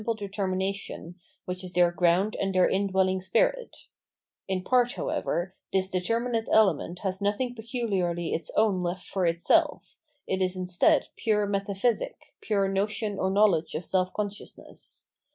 592 Absolute Freedom mid Terror 593 determination, which is their ground and their indwell ing spirit : in part, however, this determinate element has nothing peculiarly its own left for itself, it is instead pure metaphysic, pure notion or knowledge of self consciousness.